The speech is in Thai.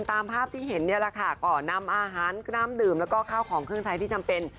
ตามภาพที่เห็นเนี่ยแหละค่ะก็นำอาหารน้ำดื่มแล้วก็ข้าวของเครื่องใช้ที่จำเป็น